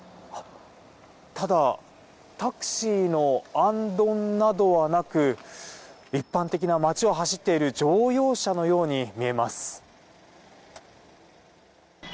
ただ、タクシーのあんどんなどはなく一般的な街を走っている乗用車のようにみえます。